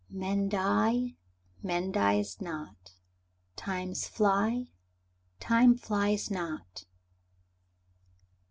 "Men die, Man dies not. Times fly, Time flies not."